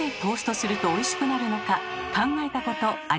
考えたことありますか？